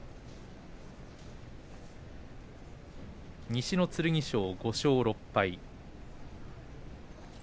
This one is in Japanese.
西の剣翔、５勝６敗。